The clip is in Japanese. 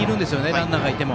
ランナーがいても。